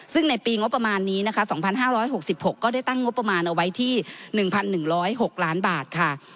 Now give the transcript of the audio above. ซึ่งในปีงบประมาณนี้นะคะ๒๕๖๖ก็ได้ตั้งงบประมาณเอาไว้ที่๑๑๐๖ล้านบาทค่ะ